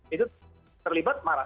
itu terlibat marah